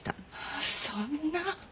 そんな。